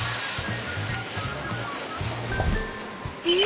え